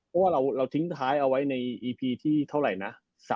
เพราะว่าเราทิ้งท้ายเอาไว้ในอีพีที่เท่าไหร่นะ